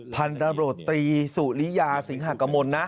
พันธุ์ตำรวจตรีสุริยาสิงหากมลนะ